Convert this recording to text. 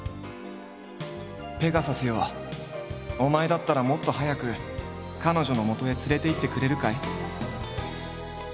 「ペガサスよお前だったらもっと早くカノジョの元へ連れていってくれるかい？」。